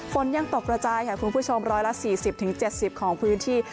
ฝนยังตกระจาย๑๔๐๗๐ของพื้นที่